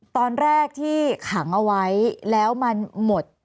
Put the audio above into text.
ตอนแรกที่ขังเอาไว้แล้วมันหมด